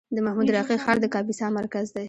د محمود راقي ښار د کاپیسا مرکز دی